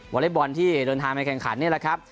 วอเลสต์บอลที่เดินทางมาให้แข่งขันนี่ล่ะครับ